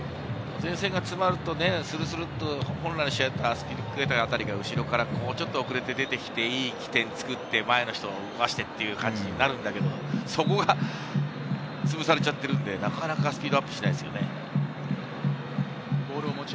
前線が詰まると、するするっと本来の試合だったら、アスピリクエタあたりが後ろから遅れて出てきて、いい起点を作って前の人を動かしてという感じになるんだけど、そこがつぶされちゃってるんで、なかなかスピードアップしないですよね。